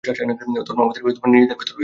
ধর্ম আমাদের নিজেদের ভিতর রয়েছে।